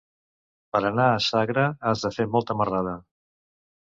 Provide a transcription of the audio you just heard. Per anar a Sagra has de fer molta marrada.